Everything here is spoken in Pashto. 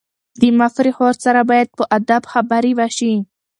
د مشرې خور سره باید په ادب خبرې وشي.